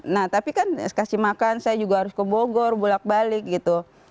nah tapi kan kasih makan saya juga harus ke bogor bolak balik gitu